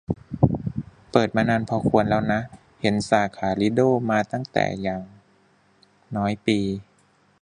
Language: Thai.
เปิดมานานพอควรแล้วนะ เห็นสาขาลิโดมาตั้งแต่อย่างน้อยปี